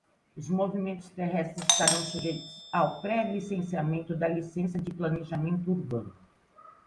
Os movimentos terrestres estarão sujeitos ao pré-licenciamento da licença de planejamento urbano.